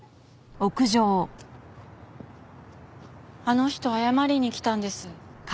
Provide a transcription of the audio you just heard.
あの人謝りに来たんです。